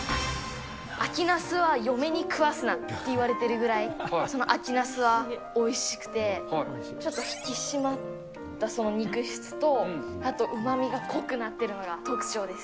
秋ナスは嫁に食わすなっていわれているくらい、その秋ナスはおいしくて、ちょっと引き締まった肉質と、あとうまみが濃くなっているのが特徴です。